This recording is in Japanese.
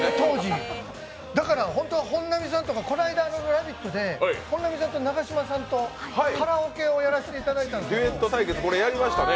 だからホントは本並さんとか、この間、「ラヴィット！」で本並さんと永島さんとカラオケをやらせていただいたんですけど、カラオケ対決、やりましたね